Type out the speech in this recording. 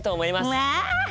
うわ！